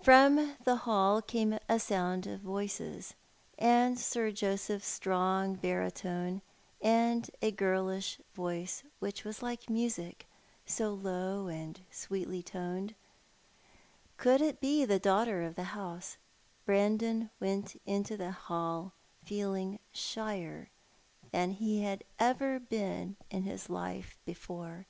From the hall came a sound of voices. Sir Joseph's strong Urqukart considers himself Ill used. 85 baritone, and a girlish voice which was like mnsic, so low and sweetly toned. Could it be the daughter of the house ? Brandon went into the hall feeling shyer than he had ever been in his life before.